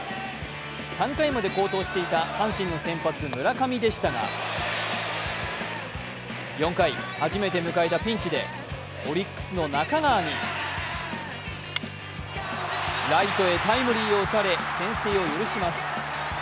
３回まで好投していた阪神の先発、村上でしたが、４回、初めて迎えたピンチでオリックスの中川にライトへタイムリーを打たれ先制を許します。